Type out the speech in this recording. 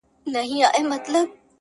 چي قاضي ته چا درنه برخه ورکړله,